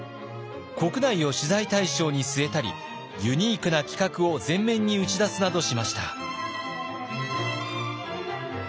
国内を取材対象に据えたりユニークな企画を前面に打ち出すなどしました。